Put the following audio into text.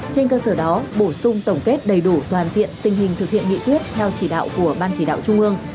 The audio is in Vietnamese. trên cơ sở đó bổ sung tổng kết đầy đủ toàn diện tình hình thực hiện nghị quyết theo chỉ đạo của ban chỉ đạo trung ương